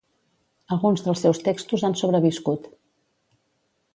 Alguns dels seus textos han sobreviscut.